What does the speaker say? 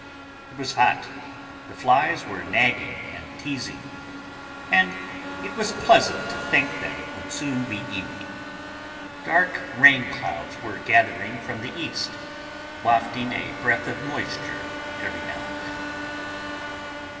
It was hot, the flies were nagging and teasing, and it was pleasant to think that it would soon be evening. Dark rain clouds were gathering from the east, wafting a breath of moisture every now and then.